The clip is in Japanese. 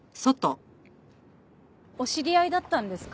お知り合いだったんですか？